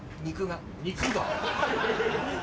肉が？